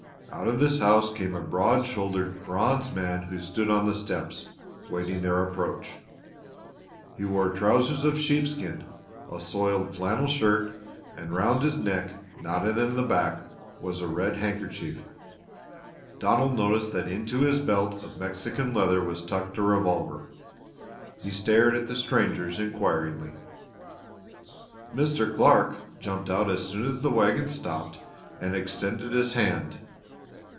Out of this house came a broad shouldered, bronzed man who stood on the steps, waiting their approach. He wore trousers of sheepskin, a soiled flannel shirt, and round his neck knotted in the back was a red handkerchief. Donald noticed that into his belt of Mexican leather was tucked a revolver. He stared at the strangers inquiringly. Mr. Clark jumped out as soon as the wagon stopped, and extended his hand.